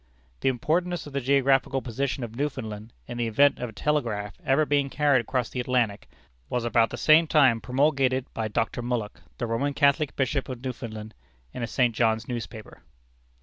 The importance of the geographical position of Newfoundland, in the event of a telegraph ever being carried across the Atlantic, was about the same time promulgated by Dr. Mullock, the Roman Catholic Bishop of Newfoundland, in a St. John's newspaper.